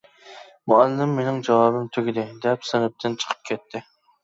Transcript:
مۇئەللىم مىنىڭ جاۋابىم تۈگىدى دەپ سىنىپتىن چىقىپ كەتتى.